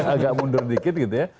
agak mundur dikit gitu ya